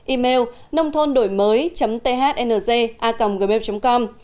email nôngthondổimới thng a cầm gmail com